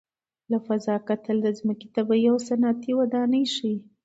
له فضا کتل د ځمکې طبیعي او صنعتي ودانۍ ښيي.